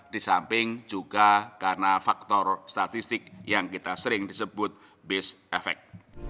di samping juga karena faktor statistik yang kita sering disebut based effect